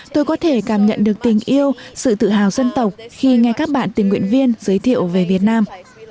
tôi có thể cảm nhận được tình yêu sự tự hào dân tộc khi nghe các bạn tình nguyện viên giới thiệu về việt nam